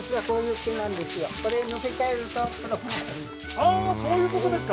あーそういうことですか